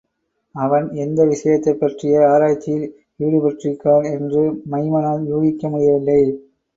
அவன் எந்த விஷயத்தைப்பற்றிய ஆராய்ச்சியில் ஈடுப்ட்டிருக்கிறான் என்று மைமனால் யூகிக்க முடியவில்லை.